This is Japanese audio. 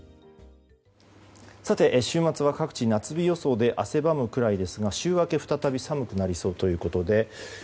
さて、週末は各地、夏日予想で汗ばむくらいですが週明け再び寒くなりそうということで。